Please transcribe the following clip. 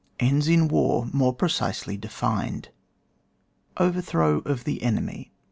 ENDS IN WAR MOEE PEECISELY DEFINED. OVEBTHBOW OF THE ENEMY.